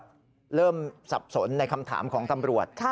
เธอเหมือนแบบเริ่มสับสนในคำถามของตำรวจ